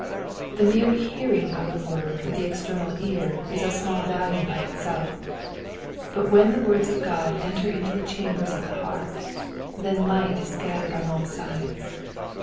The mere hearing of the word with the external ear is of small value by itself, but when the words of God enter into the chambers of the heart then light is scattered on all sides.